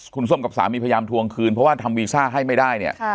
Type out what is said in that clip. คุณส้มกับสามีพยายามทวงคืนเพราะว่าทำวีซ่าให้ไม่ได้เนี่ย